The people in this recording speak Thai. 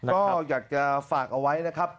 ก็อยากจะฝากเอาไว้นะครับ